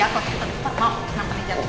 maaf kenapa ada jatoh